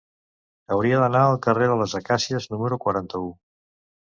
Hauria d'anar al carrer de les Acàcies número quaranta-u.